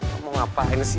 kamu ngapain sih